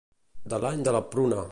De l'any de la pruna.